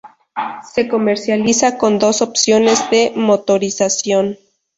Se comercializa con dos opciones de motorización.